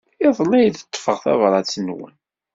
Iḍelli ay d-ḍḍfeɣ tabṛat-nwen.